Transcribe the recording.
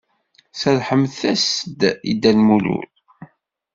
Serrḥemt-as-d i Dda Lmulud.